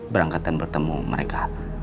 berangkat dan bertemu mereka